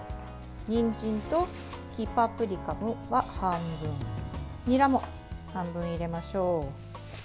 にんじんと黄パプリカは半分にらも半分入れましょう。